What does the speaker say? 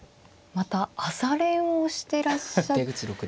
また朝練をしていらっしゃって。